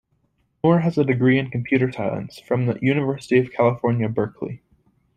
Moore has a degree in computer science from the University of California, Berkeley.